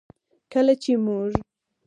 کله چې موږ